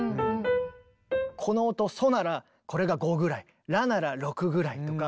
この音ソならこれが５ぐらいラなら６ぐらいとか。